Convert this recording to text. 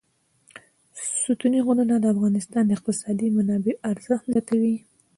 ستوني غرونه د افغانستان د اقتصادي منابعو ارزښت زیاتوي.